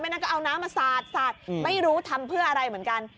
นั่นก็เอาน้ำมาสาดไม่รู้ทำเพื่ออะไรเหมือนกัน